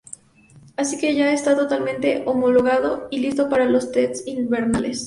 Así que ya está totalmente homologado y listo para los test invernales".